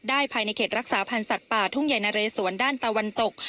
ภายในเขตรักษาพันธ์สัตว์ป่าทุ่งใหญ่นะเรสวนด้านตะวันตก